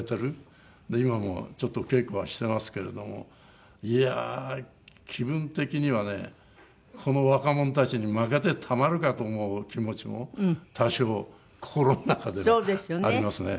今もちょっと稽古はしてますけれどもいやあ気分的にはねこの若者たちに負けてたまるかと思う気持ちも多少心の中ではありますね。